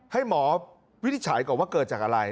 ให้หมอวินิจฉัยก่อนว่าเกิดจากอะไร